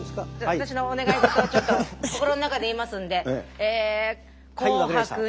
私のお願い事をちょっと心の中で言いますんで。